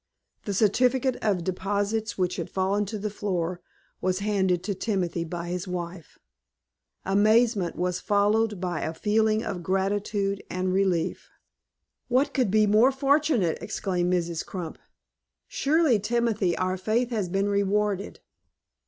The certificate of deposits, which had fallen to the floor, was handed to Timothy by his wife. Amazement was followed by a feeling of gratitude and relief. "What could be more fortunate?" exclaimed Mrs. Crump. "Surely, Timothy, our faith has been rewarded."